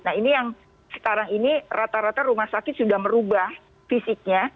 nah ini yang sekarang ini rata rata rumah sakit sudah merubah fisiknya